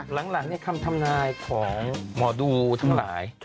หลังคำทำนายของหมอดูทั้งหลาย